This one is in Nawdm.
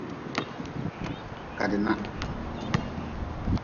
Kadi nah.